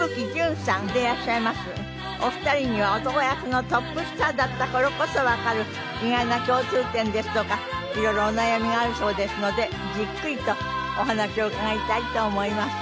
お二人には男役のトップスターだったからこそわかる意外な共通点ですとかいろいろお悩みがあるそうですのでじっくりとお話を伺いたいと思います。